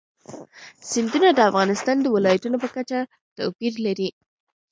سیندونه د افغانستان د ولایاتو په کچه توپیر لري.